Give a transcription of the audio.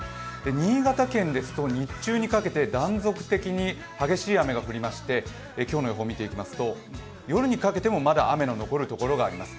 新潟県ですと日中にかけて断続的に激しい雨が降りまして今日の予報を見ていきますと、夜にかけてもまだ雨が残るところがあります。